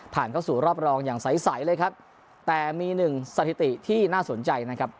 เข้าสู่รอบรองอย่างใสใสเลยครับแต่มีหนึ่งสถิติที่น่าสนใจนะครับ